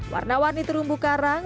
warna warna terumbu karang